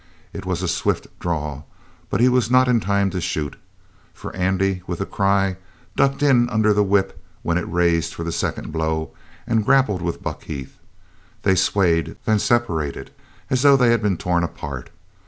It was a swift draw, but he was not in time to shoot, for Andy, with a cry, ducked in under the whip as it raised for the second blow and grappled with Buck Heath. They swayed, then separated as though they had been torn apart.